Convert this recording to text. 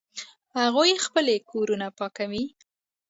هغوی خپلې کورونه پاکوي